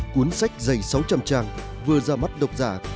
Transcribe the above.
cuốn sách dày sáu trăm linh trang vừa ra mắt độc giả